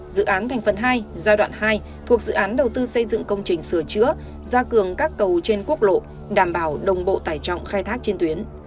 dự án thành phần hai giai đoạn hai thuộc dự án đầu tư xây dựng công trình sửa chữa gia cường các cầu trên quốc lộ đảm bảo đồng bộ tài trọng khai thác trên tuyến